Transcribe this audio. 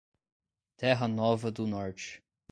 Terra Nova do Norte